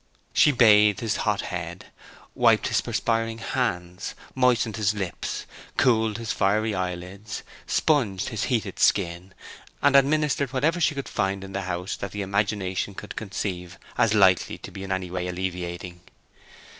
She bathed his hot head, wiped his perspiring hands, moistened his lips, cooled his fiery eyelids, sponged his heated skin, and administered whatever she could find in the house that the imagination could conceive as likely to be in any way alleviating.